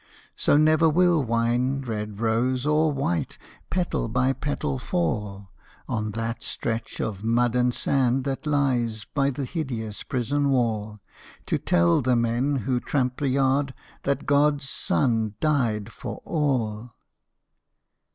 So never will wine red rose or white, Petal by petal, fall On that stretch of mud and sand that lies By the hideous prison wall, To tell the men who tramp the yard That Godâs Son died for all.